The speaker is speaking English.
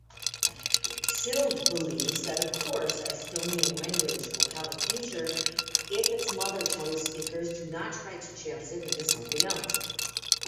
Sild believes that of course Estonian language will have a future if its mother tongue speakers do not try to chance it into something else.